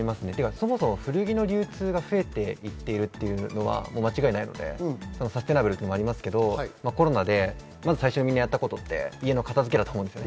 そもそも古着の流通が増えていっているのは間違いないのでサステナブルもありますが、コロナで最初にみんながやったことは家の片付けです。